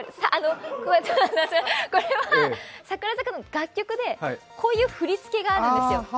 これは櫻坂の楽曲でこういう振り付けがあるんですよ